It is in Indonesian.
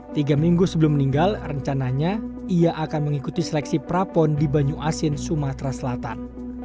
tiga minggu sebelum meninggal rencananya ia akan mengikuti seleksi prapon di banyu asin sumatera selatan